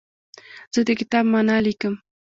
زه د کتاب معنی لیکم.